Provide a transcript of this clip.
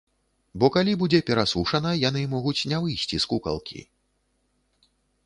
Бо калі будзе перасушана, яны могуць не выйсці з кукалкі.